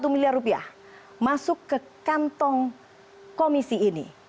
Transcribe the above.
dua ratus enam puluh satu miliar rupiah masuk ke kantong komisi ini